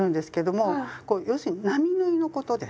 こう要するに並縫いのことです。